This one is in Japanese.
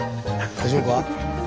大丈夫か？